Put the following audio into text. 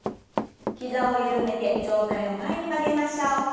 膝を緩めて上体を前に曲げましょう。